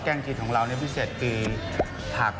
แก้งจี๊ดของเรานี่พิเศษคือผัก